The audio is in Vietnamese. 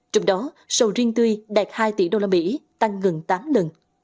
trong đó sầu riêng tươi đạt hai tỷ usd tăng gần tám lần